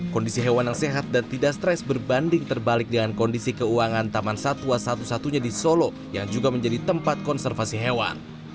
kondisi hewan yang sehat dan tidak stres berbanding terbalik dengan kondisi keuangan taman satwa satu satunya di solo yang juga menjadi tempat konservasi hewan